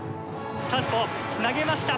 サウスポー投げました。